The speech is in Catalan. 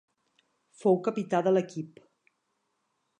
Fou capità de l'equip.